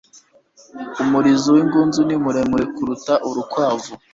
Umurizo w'ingunzu ni muremure kuruta urukwavu.